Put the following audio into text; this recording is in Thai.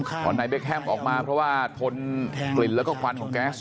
พอไหนเบคแฮมออกมาเพราะว่าทนกลิ่นแล้วก็ควันของแก๊ส